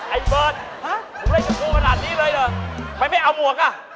ไอ้เบิร์ดถูกเล่นกับผู้ขนาดนี้เลยเหรอมันไม่เอาหมวกอ่ะ